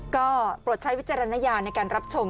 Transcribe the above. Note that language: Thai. ก็โปรดใช้วิจารณญาณในการรับชม